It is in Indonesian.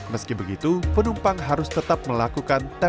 meski begitu penumpang harus tetap melakukan tes